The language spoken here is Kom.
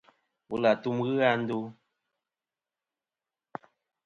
Wul àtum ghɨ a ndo.